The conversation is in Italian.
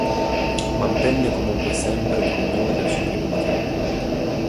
Mantenne comunque sempre il cognome del suo primo matrimonio.